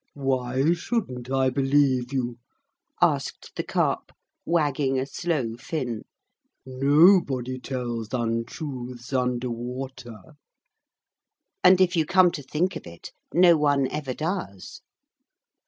'Why shouldn't I believe you?' asked the Carp wagging a slow fin. 'Nobody tells untruths under water.' And if you come to think of it, no one ever does.